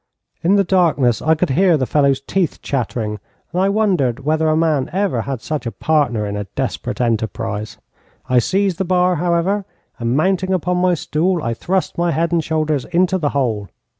In the darkness I could hear the fellow's teeth chattering, and I wondered whether a man ever had such a partner in a desperate enterprise. I seized the bar, however, and mounting upon my stool, I thrust my head and shoulders into the hole.